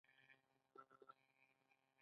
شاعران پکې شعرونه وايي.